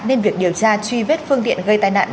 nên việc điều tra truy vết phương tiện gây tai nạn